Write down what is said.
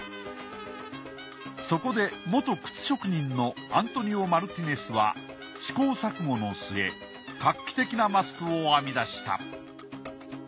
そこで元靴職人のアントニオ・マルティネスは試行錯誤の末画期的なマスクを編み出した。